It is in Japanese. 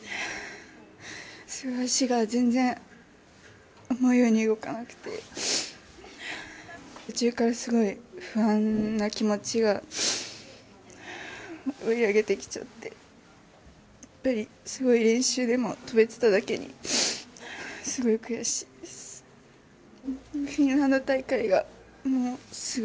足が全然、思うように動かなくて途中からすごい不安な気持ちが出てきちゃってやっぱり、すごい練習でも跳べていただけにすごい悔しいです。